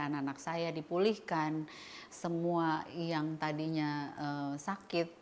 anak anak saya dipulihkan semua yang tadinya sakit